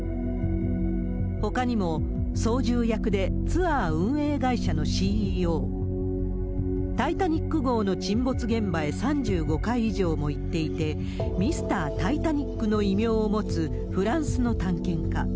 ほかにも操縦役でツアー運営会社のＣＥＯ、タイタニック号の沈没現場へ３５回以上も行っていて、ミスター・タイタニックの異名を持つフランスの探検家。